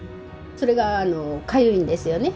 それがかゆいんですよね。